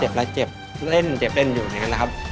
เจ็บแล้วเจ็บเล่นอยู่อยู่นะครับ